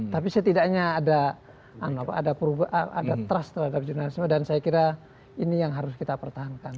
tapi setidaknya ada trust terhadap jurnalisme dan saya kira ini yang harus kita pertahankan